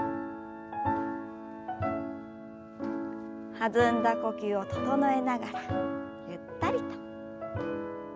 弾んだ呼吸を整えながらゆったりと。